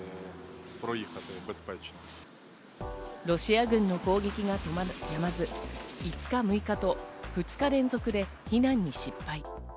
ロシア軍の攻撃がやまず、５日、６日と２日連続で避難に失敗。